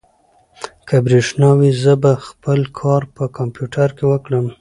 که برېښنا وي، زه به خپل کار په کمپیوټر کې وکړم.